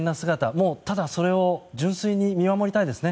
もう、それを純粋に見守りたいですね。